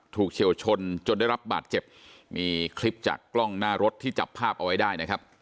เฉียวชนจนได้รับบาดเจ็บมีคลิปจากกล้องหน้ารถที่จับภาพเอาไว้ได้นะครับ